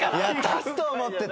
足すと思ってて。